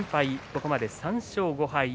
ここまで３勝５敗。